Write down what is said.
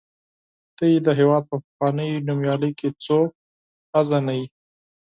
تاسې د هېواد په پخوانیو نومیالیو کې څوک پیژنئ.